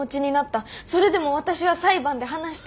それでも私は裁判で話したい。